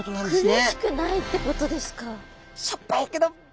苦しくないってことですか？